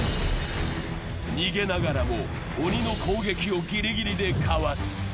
逃げながらも鬼の攻撃をギリギリでかわす。